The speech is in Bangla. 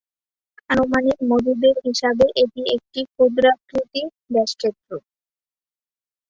আনুমানিক মজুদের হিসাবে এটি একটি ক্ষুদ্রাকৃতির গ্যাসক্ষেত্র।